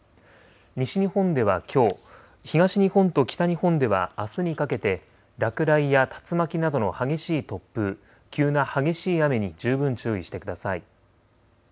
西日本ではきょう、東日本と北日本ではあすにかけて落雷や竜巻などの激しい突風、急な激しい雨に十分注意してください。